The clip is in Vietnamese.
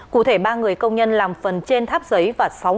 cụ thể ba người công nhân làm phần trên tháp giấy và xấy lúa